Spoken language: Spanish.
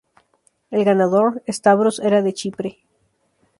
El ganador, Stavros, era de Chipre.